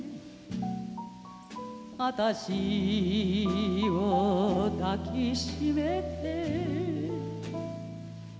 「あたしを抱きしめて」